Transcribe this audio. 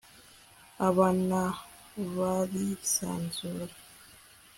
abanabarisanzura